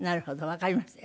わかりましたよ。